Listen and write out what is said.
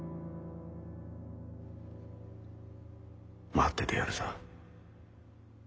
待っててやるさ。